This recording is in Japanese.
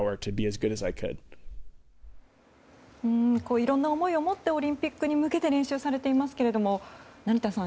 いろいろな思いをもってオリンピックに向けて練習をされていますけども成田さん